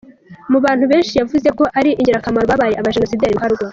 Mu bantu benshi yavuze ko ari ingirakamaro babaye abajenoosideri ruharwa.